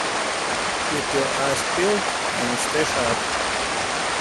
Keep your eyes peeled and stay sharp.